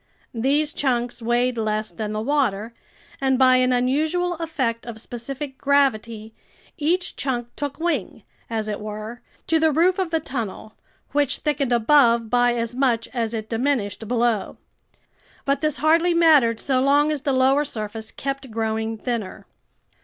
These chunks weighed less than the water, and by an unusual effect of specific gravity, each chunk took wing, as it were, to the roof of the tunnel, which thickened above by as much as it diminished below. But this hardly mattered so long as the lower surface kept growing thinner.